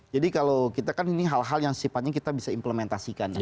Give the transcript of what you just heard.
jadi kalau kita kan ini hal hal yang sifatnya kita bisa implementasikan